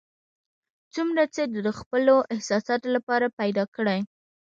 څومره څه د خپلو احساساتو لپاره پیدا کړي.